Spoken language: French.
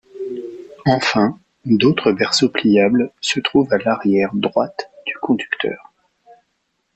Enfin, d'autres berceaux pliables se trouvent à l'arrière droite du conducteur.